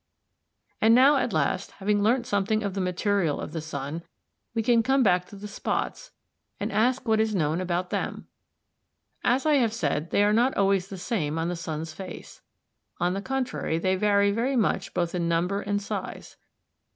And now at last, having learnt something of the material of the sun, we can come back to the spots and ask what is known about them. As I have said, they are not always the same on the sun's face. On the contrary, they vary very much both in number and size.